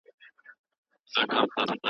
کله د اوبو څښل ذهن ته تازه ګي بخښي؟